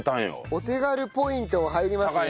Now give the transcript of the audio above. お手軽ポイントは入りますね